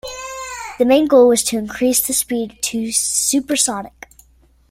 The main goal was to increase the speed to supersonic.